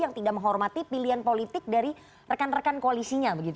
yang tidak menghormati pilihan politik dari rekan rekan koalisinya